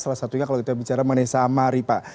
salah satunya kalau kita bicara mengenai samari pak